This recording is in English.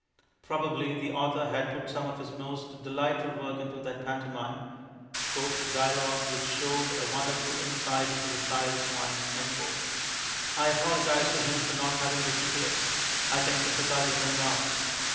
Probably the author had put some of his most delightful work into that pantomime "dialogue which showed a wonderful insight into the child's mind"; I apologize to him for not having listened to it. (I can sympathize with him now.)